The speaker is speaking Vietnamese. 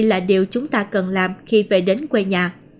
là điều chúng ta cần làm khi về đến quê nhà